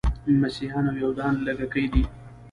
مسیحیان او یهودان لږکي دي.